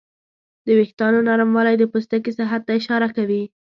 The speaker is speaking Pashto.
د وېښتیانو نرموالی د پوستکي صحت ته اشاره کوي.